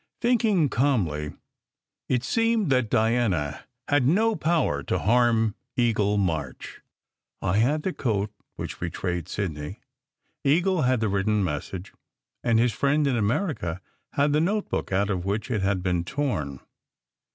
Thinking calmly, it seemed that Diana had no power to harm Eagle March. I had the coat which betrayed Sidney. Eagle had the written message, and his friend in America had the notebook out of which it had been torn.